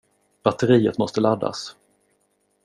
Batteriet måste laddas.